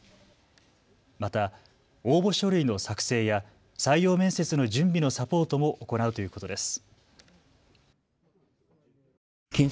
また応募書類の作成や採用面接の準備のサポートも行うということです。